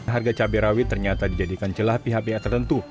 harga cabai rawit ternyata dijadikan celah pihak pihak tertentu